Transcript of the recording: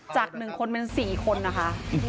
จาก๑คนเป็น๔คนนะคะ